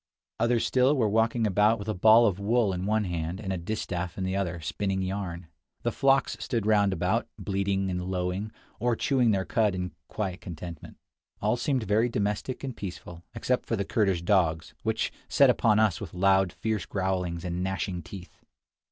Others still were walking about with a ball of wool in one hand and a distaff in the other, spinning yarn. The flocks stood round about, bleating and lowing, or chewing their cud in quiet contentment. All seemed very domestic and peaceful except the Kurdish dogs, which set upon us with loud, fierce growls and gnashing teeth.